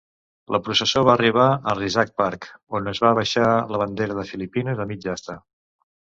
La processó va arribar a Rizal Park, on es va abaixar la bandera de Filipines a mitja asta.